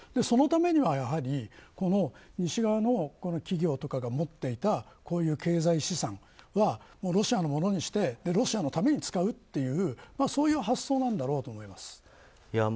そのためには、やはり西側の企業とかが持っていたこういう経済資産はロシアのものにしてロシアのために使うという発想なんだろうと思います。